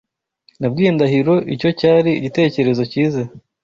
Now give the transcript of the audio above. Nabwiye Ndahiro icyo cyari igitekerezo cyiza.